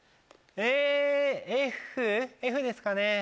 えＦＦですかね。